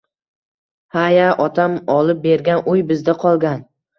Ha-ya, otam olib bergan uy bizda qolgan